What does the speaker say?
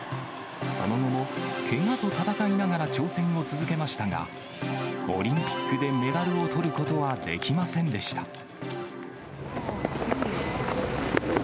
その後もけがと闘いながら挑戦を続けましたが、オリンピックでメダルをとることはできませんでした。